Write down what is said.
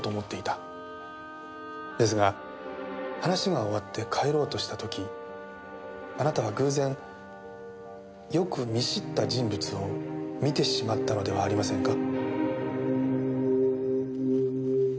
ですが話が終わって帰ろうとした時あなたは偶然よく見知った人物を見てしまったのではありませんか？